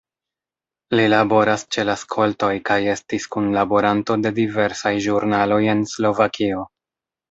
Li laboras ĉe la skoltoj kaj estis kunlaboranto de diversaj ĵurnaloj en Slovakio.